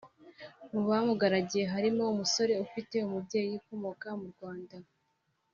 mu bamugaragiye harimo umusore ufite umubyeyi ukomoka mu Rwanda